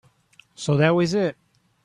So that was it.